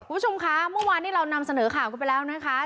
คุณผู้ชมคะเมื่อวานนี้เรานำเสนอข่าวกันไปแล้วนะคะ